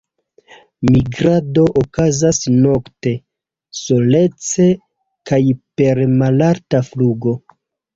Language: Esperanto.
Migrado okazas nokte, solece kaj per malalta flugo.